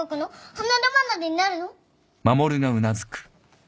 離れ離れになるの？